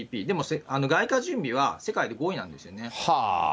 でも外貨準備は世界で５位なんですよね。